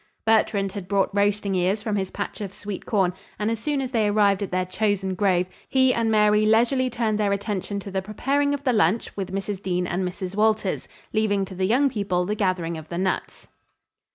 Bertrand had brought roasting ears from his patch of sweet corn, and as soon as they arrived at their chosen grove, he and Mary leisurely turned their attention to the preparing of the lunch with Mrs. Dean and Mrs. Walters, leaving to the young people the gathering of the nuts.